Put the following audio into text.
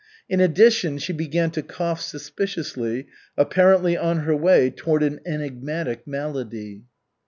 In addition, she began to cough suspiciously, apparently on her way toward an enigmatic malady.